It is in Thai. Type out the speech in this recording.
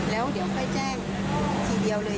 แล้วเดี๋ยวค่อยแจ้งทีเดียวเลย